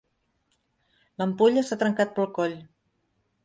L'ampolla s'ha trencat pel coll.